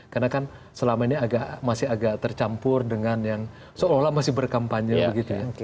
karena kan selama ini masih agak tercampur dengan yang seolah olah masih berkampanye gitu ya